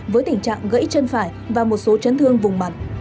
với tình trạng gãy chân phải và một số chấn thương vùng mặt